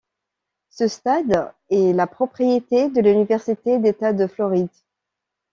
Ce stade est la propriété de l'Université d'État de Floride.